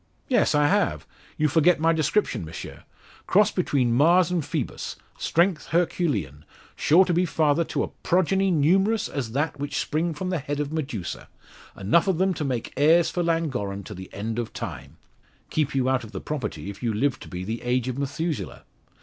"Yes, I have. You forget my description, Monsieur cross between Mars and Phoebus strength herculean; sure to be father to a progeny numerous as that which spring from the head of Medusa enough of them to make heirs for Llangorren to the end of time keep you out of the property if you lived to be the age of Methuselah.